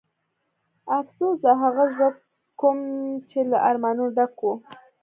افسوس د هغه زړه کوم چې له ارمانونو ډک و.